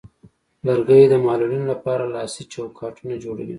لرګی د معلولینو لپاره لاسي چوکاټونه جوړوي.